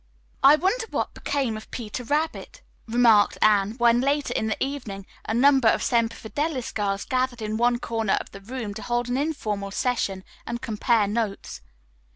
"I wonder what became of 'Peter Rabbit'?" remarked Anne, when, later in the evening, a number of Semper Fidelis girls gathered in one corner of the room to hold an informal session and compare notes.